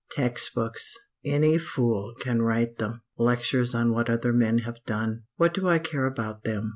"Text books any fool can write them! Lectures on what other men have done what do I care about them?